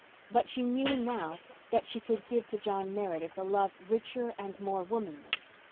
But she knew now that she could give to John Meredith a love richer and more womanly.